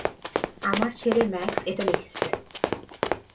আমার ছেলে ম্যাক্স এটা লিখেছে।